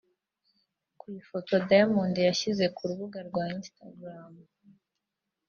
Ku ifoto Diamond yashyize ku rubuga rwa Instagram